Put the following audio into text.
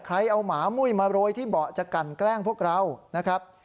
ใครเอาหมามุ้ยมาโรยที่เบาะจะกันแกล้งพวกเรานะครับ